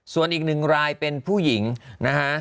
ส่วนอีก๑รายเป็นผู้หญิงนะคะ